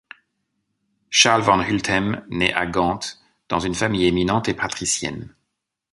Charles Van Hulthem naît à Gand dans une famille éminente et patricienne.